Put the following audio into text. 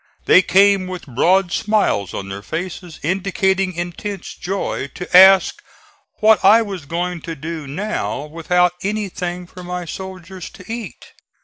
They came with broad smiles on their faces, indicating intense joy, to ask what I was going to do now without anything for my soldiers to eat.